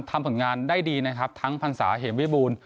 ทำผลงานได้ดีนะครับทั้งพันศาเหมวิบูรณ์